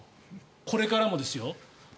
これからもですよ。